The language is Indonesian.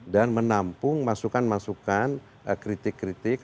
dan menampung masukan masukan kritik kritik